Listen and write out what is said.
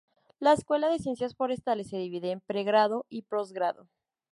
La Escuela de Ciencias Forestales se divide en pregrado y postgrado.